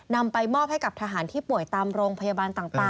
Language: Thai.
นำไปมอบให้กับทหารที่ป่วยตามโรงพยาบาลต่าง